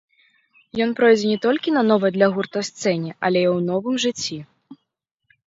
Ён пройдзе не толькі на новай для гурта сцэне, але і ў новым жыцці.